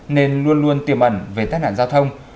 nên luôn luôn tiềm ẩn về tai nạn giao thông